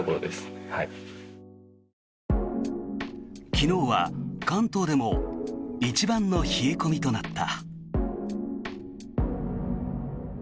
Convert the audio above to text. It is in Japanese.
昨日は関東でも一番の冷え込みとなった。